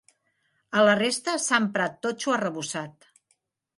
A la resta s'ha emprat totxo arrebossat.